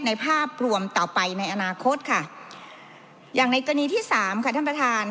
ภาพรวมต่อไปในอนาคตค่ะอย่างในกรณีที่สามค่ะท่านประธาน